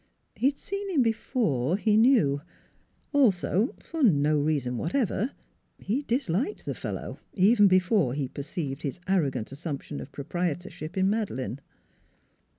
He had seen him before, he knew; also, for no reason whatever, he dis liked the fellow, even before he perceived his 270 NEIGHBORS arrogant assumption of proprietorship in Made leine.